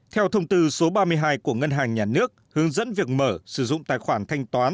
theo thông tư số ba mươi hai của ngân hàng nhà nước hướng dẫn việc mở sử dụng tài khoản thanh toán